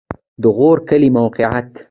د غور کلی موقعیت